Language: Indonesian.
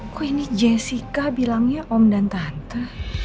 kok ini jessica bilangnya om dan tante